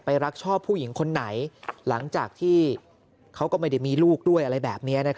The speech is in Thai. รักชอบผู้หญิงคนไหนหลังจากที่เขาก็ไม่ได้มีลูกด้วยอะไรแบบนี้